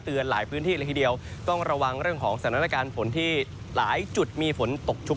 หลายพื้นที่เลยทีเดียวต้องระวังเรื่องของสถานการณ์ฝนที่หลายจุดมีฝนตกชุก